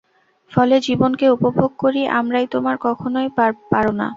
ফলে জীবনকে উপভোগ করি আমরাই, তোমরা কখনই পার না।